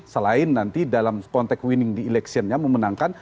selain nanti dalam konteks winning di election nya memenangkan